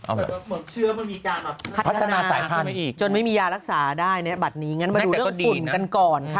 แบบเชื้อมันมีการแผ่นกันมาจนไม่มียารักษาได้ในบัตรนี้งั้นมาดูเรื่องฝุ่นกันก่อนค่ะ